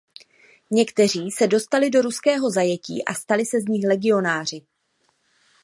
Někteří se dostali do ruského zajetí a stali se z nich legionáři.